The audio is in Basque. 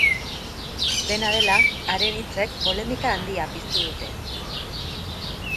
Dena dela, haren hitzek polemika handia piztu dute.